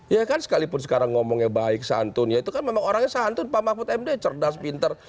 ya kan sekalipun sekarang ngomongnya baik santun ya itu kan memang orangnya santun pak mahfud md cerdas pinter